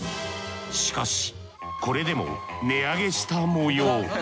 しかしこれでも値上げしたもよう。